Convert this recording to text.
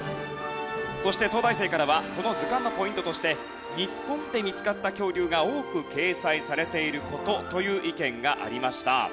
そして東大生からはこの図鑑のポイントとして日本で見つかった恐竜が多く掲載されている事という意見がありました。